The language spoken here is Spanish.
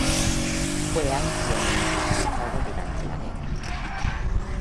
Fue ampliamente utilizado durante la guerra.